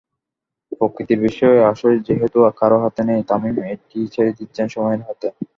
প্রকৃতির বিষয়-আশয় যেহেতু কারও হাতে নেই, তামিম এটি ছেড়ে দিচ্ছেন সময়ের হাতে।